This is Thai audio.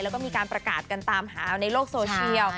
แล้วก็มีการประกาศกันตามหาในโลกโซเชียล